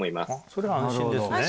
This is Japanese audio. それは安心ですね